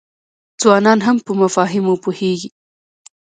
ځوانان هم په مفاهیمو پوهیږي.